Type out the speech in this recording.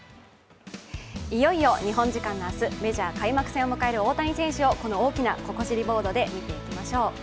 いよいよ日本時間の明日メジャー開幕戦を迎える大谷選手をこの大きな、ここ知りボードで見ていきましょう。